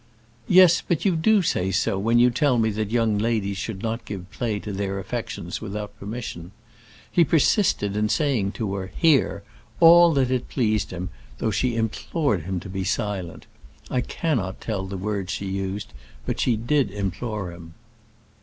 "Yes, but you do say so when you tell me that young ladies should not give play to their affections without permission. He persisted in saying to her, here, all that it pleased him, though she implored him to be silent. I cannot tell the words she used, but she did implore him."